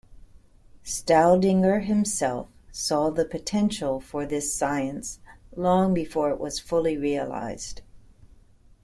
Staudinger himself saw the potential for this science long before it was fully realized.